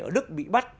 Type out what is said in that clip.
ở đức bị cấm